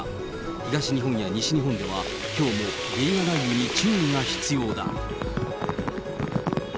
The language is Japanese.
東日本や西日本では、きょうもゲリラ雷雨に注意が必要だ。